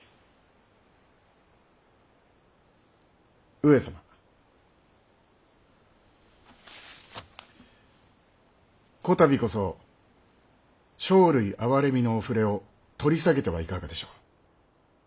上様こたびこそ生類憐みのお触れを取り下げてはいかがでしょう。